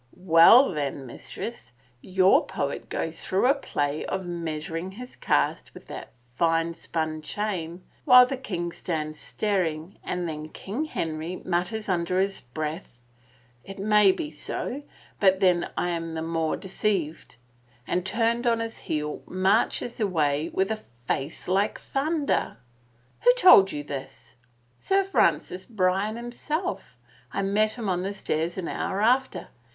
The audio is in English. " Well, then, mistress, your poet goes through a play of measur ing his cast with that fine spun chain while the king stands staring, and then King Henry mutters under his breath, * It may be so — but then I am the more de ceived,' and turning on his heel, marches away with a face like thunder." Who told you this?" Sir Francis Bryan himself. I met him on the stairs an hour after.